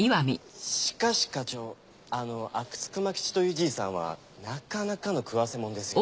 しかし課長あの阿久津熊吉というじいさんはなかなかの食わせ者ですよ。